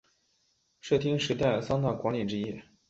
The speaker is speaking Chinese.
室町时代三大管领之一。